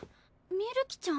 みるきちゃん？